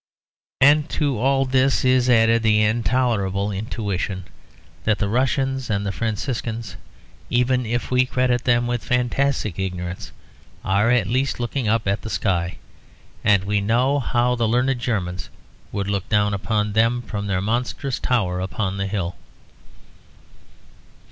And to all this is added the intolerable intuition; that the Russians and the Franciscans, even if we credit them with fantastic ignorance, are at least looking up at the sky; and we know how the learned Germans would look down upon them, from their monstrous tower upon the hill.